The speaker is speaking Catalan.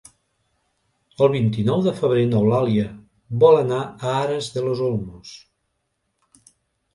El vint-i-nou de febrer n'Eulàlia vol anar a Aras de los Olmos.